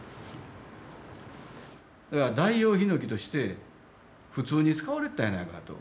代用ヒノキとして普通に使われてたんやないかと。